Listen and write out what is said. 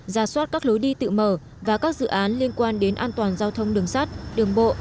ra soát các lối đi tự mở và các dự án liên quan đến an toàn giao thông đường sắt đường bộ